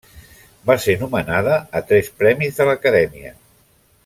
Va ser nomenada a tres Premis de l'Acadèmia.